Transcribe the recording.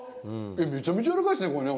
めちゃめちゃやわらかいですね。